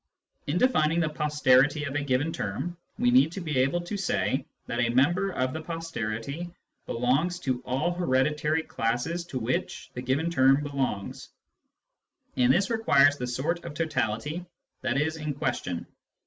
In defining the posterity of a given term, we need to be able to say that a member of the posterity belongs to all hereditary classes to which the given term belongs, and this requires the sort of totality that is in question.